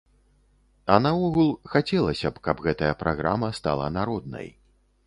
А наогул, хацелася б, каб гэтая праграма стала народнай.